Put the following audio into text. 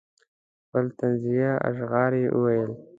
خپل طنزیه اشعار یې وویل.